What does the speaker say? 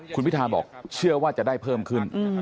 คุณพิทาบอกเชื่อว่าจะได้เพิ่มขึ้น